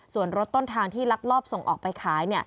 ส่วนรถต้นทางที่ลักลอบส่งออกไปขาย